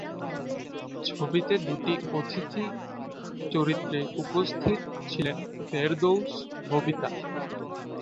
ছবিতে দুটি অতিথি চরিত্রে উপস্থিত ছিলেন ফেরদৌস, ববিতা।